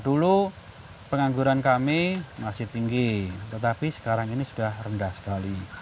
dulu pengangguran kami masih tinggi tetapi sekarang ini sudah rendah sekali